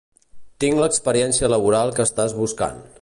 Tinc l'experiència laboral que estàs buscant.